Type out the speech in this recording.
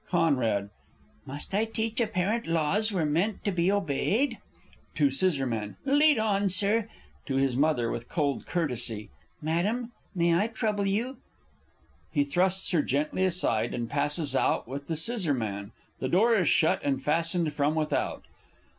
Con. Must I teach A parent laws were meant to be obeyed? [To Sc.] Lead on, Sir. (To his Mother with cold courtesy.) Madam, may I trouble you? [Illustration: "My Conrad!"] [He thrusts her gently aside and passes out with the Sc.; _the door is shut and fastened from without.